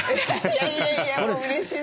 いやいやいやもううれしいです。